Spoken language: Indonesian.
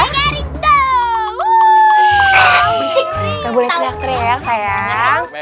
gak boleh teriak teriak sayang